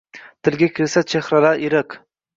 Tilga kirsa, chehralar iliq.